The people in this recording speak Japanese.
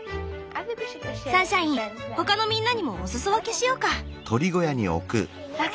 サンシャイン他のみんなにもおすそ分けしようか。